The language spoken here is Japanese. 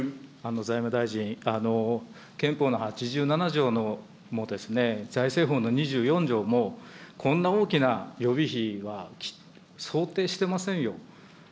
財務大臣、憲法の８７条の、も、財政法の２４条もこんな大きな予備費は想定してませんよ。